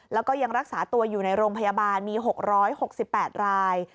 แล้วก็ยังรักษาตัวอยู่ในโรงพยาบาลมี๖๖๘ราย